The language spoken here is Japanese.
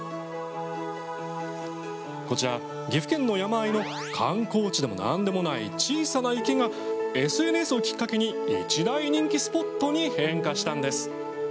こちら、岐阜県の山あいの観光地でも何でもない小さな池がＳＮＳをきっかけに一大人気スポットに変化したんです。